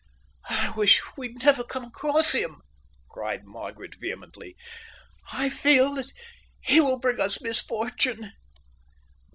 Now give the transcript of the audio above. "I wish we'd never come across him," cried Margaret vehemently. "I feel that he will bring us misfortune."